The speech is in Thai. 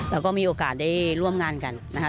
แล้วก็มีโอกาสได้ร่วมงานกันนะคะ